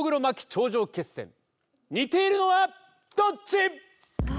頂上決戦似ているのはどっち？